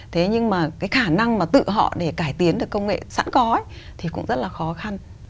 thế nhưng mà cái khả năng mà tự họ để cải tiến được công nghệ sẵn có thì cũng rất là khó khăn